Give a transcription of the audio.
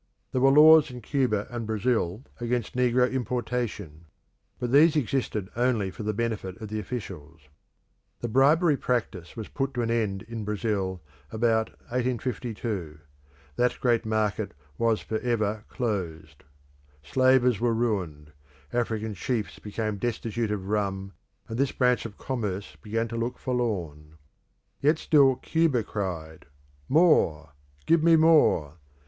There were laws in Cuba and Brazil against negro importation, but these existed only for the benefit of the officials. The bribery practice was put an end to in Brazil about 1852; that great market was for ever closed. Slavers were ruined; African chiefs became destitute of rum and this branch of commerce began to look forlorn. Yet still Cuba cried, "More! Give me more!"